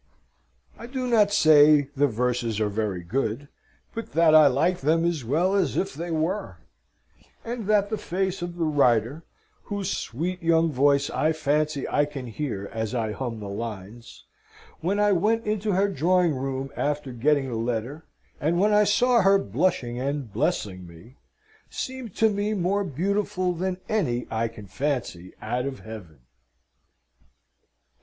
I do not say the verses are very good, but that I like them as well as if they were and that the face of the writer (whose sweet young voice I fancy I can hear as I hum the lines), when I went into her drawing room after getting the letter, and when I saw her blushing and blessing me seemed to me more beautiful than any I can fancy out of Heaven.